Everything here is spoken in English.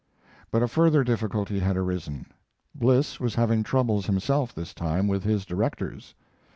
But a further difficulty had arisen. Bliss was having troubles himself, this time, with his directors.